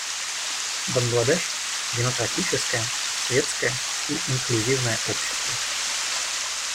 Бангладеш — демократическое, светское и инклюзивное общество.